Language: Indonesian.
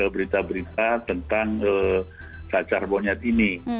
berita berita tentang cacar monyet ini